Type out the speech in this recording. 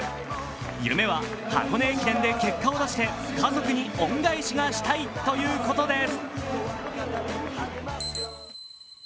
夢は箱根駅伝で結果を出して家族に恩返しがしたいということです。